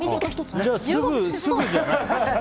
じゃあ、すぐじゃない。